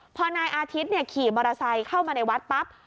พอนายอาทิตย์ขี่มอเตอร์ไซค์เข้ามาในวัดปั๊บ